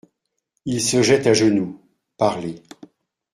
Il se jette à genoux…" Parlé.